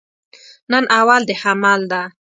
نن اول د حمل ده